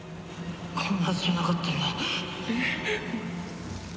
こんなはずじゃなかったんだ。